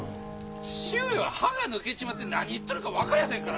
父上は歯が抜けちまって何言っとるか分かりゃあせんから。